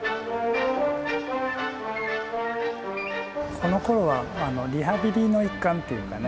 このころはあのリハビリの一環っていうかね。